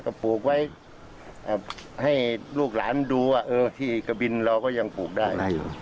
ก็ปลูกไว้ให้ลูกหลานดูว่าที่กะบินเราก็ยังปลูกได้